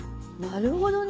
なるほどね。